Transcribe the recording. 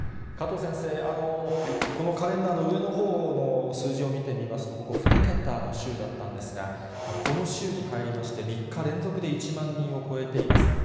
加藤先生、このカレンダーの上のほうの数字を見てみますと、ここ２桁の週だったんですが、この週に入りまして、３日連続で１万人を超えています。